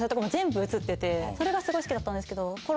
それがすごい好きだったんですけど。